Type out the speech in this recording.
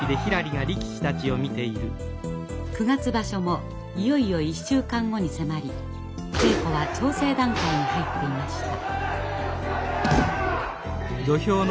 九月場所もいよいよ１週間後に迫り稽古は調整段階に入っていました。